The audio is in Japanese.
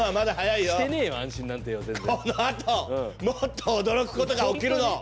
このあともっと驚くことが起きるの！